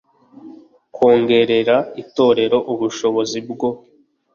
kongerera itorero ubushobozi bwo